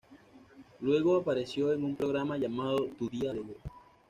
Luego apareció en un programa llamado "Tu día alegre".